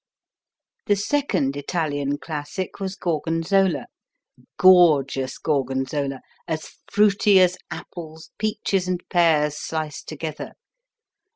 The second Italian classic was Gorgonzola, gorgeous Gorgonzola, as fruity as apples, peaches and pears sliced together.